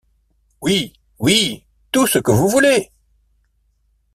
Oui, oui, tout ce que vous voulez !